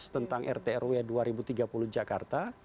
tentang rt rw dua ribu tiga puluh jakarta